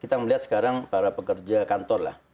kita melihat sekarang para pekerja kantor lah